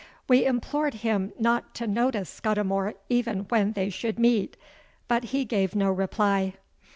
We implored him not to notice Scudimore even when they should meet; but he gave no reply.